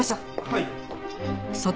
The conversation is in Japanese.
はい。